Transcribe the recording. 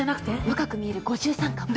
若く見える５３かも。